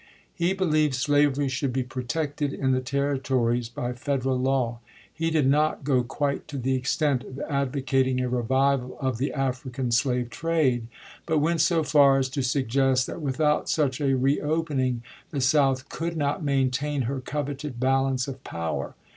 He believed slavery should be protected in the Territories by Federal law. He did not go quite to the extent of advocat ing a revival of the African slave trade ; but went so*" far as to suggest that without such a re opening the South could not maintain her coveted balance of power.